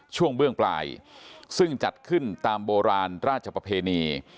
ช่วงเบื้องปลายซึ่งจัดขึ้นตามโบราณราชประเพณี